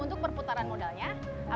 untuk perputaran modalnya